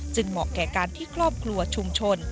เหมาะแก่การที่ครอบครัวชุมชน